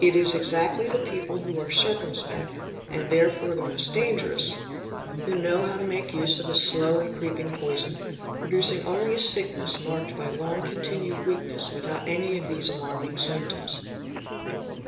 It is exactly the people who are circumspect, and 656 POISONING therefore the most dangerous, who know how to make use of a slow and creeping poison, producing only a sickness marked by long continued weakness without any of these alarming symptoms.